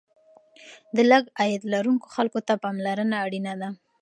د لږ عاید لرونکو خلکو ته پاملرنه اړینه ده.